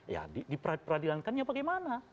ya diperadilankannya bagaimana